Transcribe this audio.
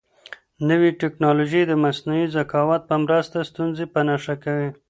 نوې تکنالوژي د مصنوعي ذکاوت په مرسته ستونزې په نښه کوي.